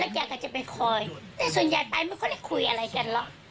แกก็จะไปคอยแต่ส่วนใหญ่ไปไม่ค่อยได้คุยอะไรกันหรอก